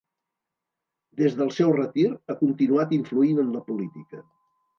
Des del seu retir, ha continuat influint en la política.